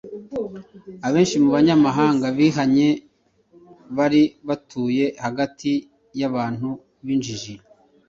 Abenshi mu banyamahanga bihanye bari batuye hagati y’abantu b’injiji